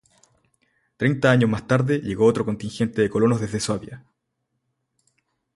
Treinta años más tarde llegó otro contingente de colonos desde Suabia.